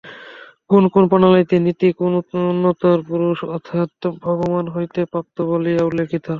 কোন কোন প্রণালীতে নীতি কোন উন্নততর পুরুষ অর্থাৎ ভগবান হইতে প্রাপ্ত বলিয়া উল্লিখিত।